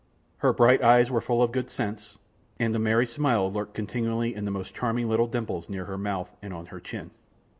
Her bright eyes were full of good sense, and a merry smile lurked continually in the most charming little dimples near her mouth and on her chin.